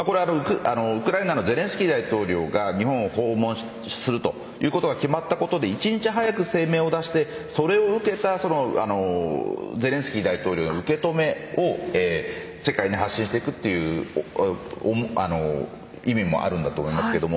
ウクライナのゼレンスキー大統領が日本を訪問するということが決まったことで１日早く声明を出してそれを受けたゼレンスキー大統領が受け止めを世界に発信していくという意味もあるんだと思いますけど。